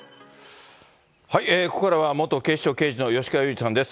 ここからは元警視庁刑事の吉川祐二さんです。